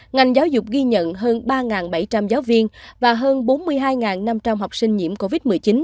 ngành giáo dục ghi nhận hơn ba bảy trăm linh giáo viên và hơn bốn mươi hai năm trăm linh học sinh nhiễm covid một mươi chín